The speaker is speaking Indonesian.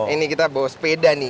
ini kita bawa sepeda nih